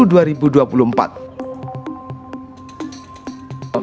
eko menaati keputusan partainya mendukung prabowo subianto